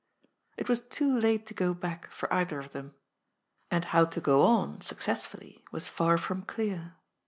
It was too late to go back, for either of them. And how to go on successfully, was far from clear.